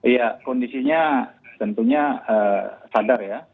ya kondisinya tentunya sadar ya